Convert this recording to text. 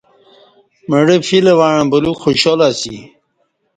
مڑہ فیل وعݩہ بلیوک خوشال اسی